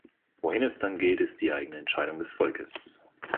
Wohin es dann geht, ist die eigene Entscheidung des Volkes.